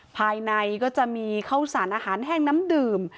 ภายในก็จะมีข้าวสารอาหารแห้งน้ำดื่ม